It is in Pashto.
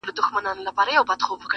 • لا کړېږې به تر څو له ظلم زوره -